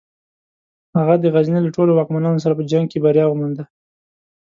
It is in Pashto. هغه د غزني له ټولو واکمنانو سره په جنګ کې بریا ومونده.